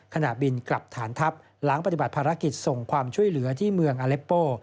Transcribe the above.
ขณะบินกลับฐานทัพหลังปฏิบัติภารกิจส่งความช่วยเหลือที่เมืองอเล็ปโป